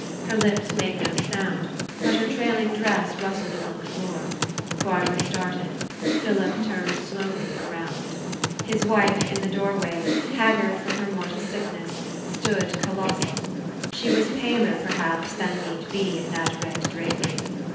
Her lips made no sound ; but her trailing dress rustled upon the floor. Barbara started. Philip turned slowly around. His wife in the doorway, haggard from her mortal sickness, stood colossal. She was paler, perhaps, than need be, in that red drapery.